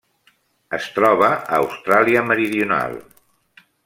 Es troba a Austràlia Meridional.